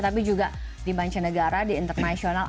tapi juga di mancanegara di internasional